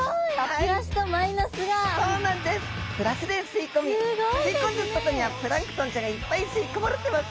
プラスで吸い込み吸い込んでいるところにはプランクトンちゃんがいっぱい吸い込まれてます。